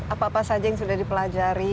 apa apa saja yang sudah dipelajari